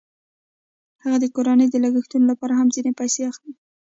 هغه د کورنۍ د لګښتونو لپاره هم ځینې پیسې اخلي